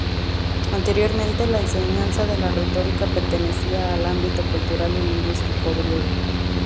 Anteriormente, la enseñanza de la retórica pertenecía al ámbito cultural y lingüístico griego.